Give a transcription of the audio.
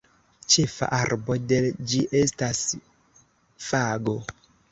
Ĉefa arbo de ĝi estas fago.